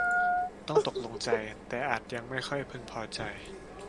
ต้องตกลงใจ แต่อาจยังไม่ค่อยพึงพอใจ